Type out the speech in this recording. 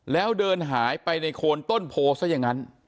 แล้วเดินหายไปในโคนต้นโพซะอย่างนั้น